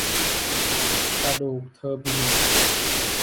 กระดูกเทอร์บิเนต